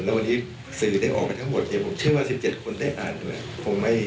ในวันนี้สื่อได้ออกไปทั้งหมดผมเชื่อว่า๑๗คนได้อ่านมัน